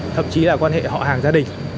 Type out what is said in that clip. thậm chí là quan hệ họ hàng gia đình